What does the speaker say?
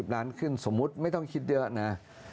ล้านขึ้นสมมุติไม่ต้องคิดเยอะนะ